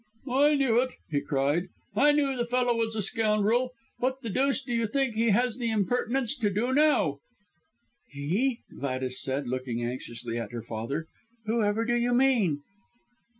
"I knew it!" he cried; "I knew the fellow was a scoundrel. What the deuce do you think he has the impertinence to do now?" "He!" Gladys said, looking anxiously at her father. "Whoever do you mean?"